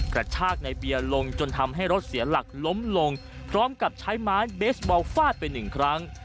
กระชากในเบียร์ลงจนทำให้รถเสียหลักล้มลงพร้อมกับใช้ไม้เบสบอลฟาดไปหนึ่งครั้ง